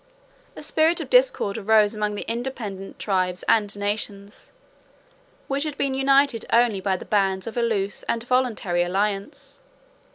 A spirit of discord arose among the independent tribes and nations, which had been united only by the bands of a loose and voluntary alliance.